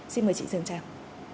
xin mời chị dương trang